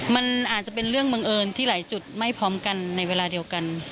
มันอาจจะเป็นเรื่องบังเอิญที่หลายจุดไม่พร้อมกันในเวลาเดียวกัน